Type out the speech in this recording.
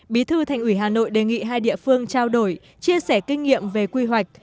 bí thư thành ủy hà nội đề nghị hai địa phương trao đổi chia sẻ kinh nghiệm về quy hoạch